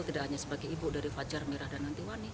tidak hanya sebagai ibu dari fajar merah dan ngantiwani